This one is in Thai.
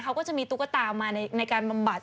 เขาก็จะมีตุ๊กตามาในการบำบัด